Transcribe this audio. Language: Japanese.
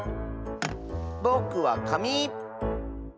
ぼくはかみ！